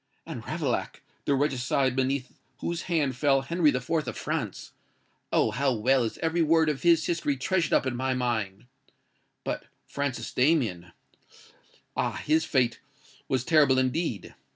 And Ravaillac—the regicide beneath whose hand fell Henry IV. of France—oh! how well is every word of his history treasured up in my mind. But Francis Damien—ah! his fate was terrible indeed!